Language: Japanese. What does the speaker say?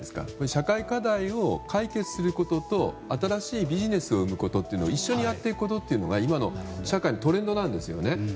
社会課題を解決することと新しいビジネスを生むことを一緒にやっていくことが今社会のトレンドなんですよね。